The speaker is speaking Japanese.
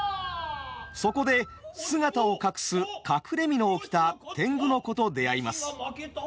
そこで姿を隠す「隠れ蓑」を着た天狗の子と出会います。